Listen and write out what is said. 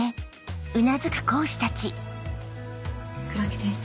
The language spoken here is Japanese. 黒木先生